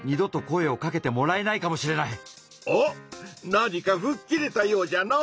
なにかふっきれたようじゃの。